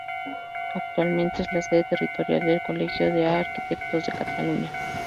Actualmente es la sede territorial del Colegio de Arquitectos de Cataluña.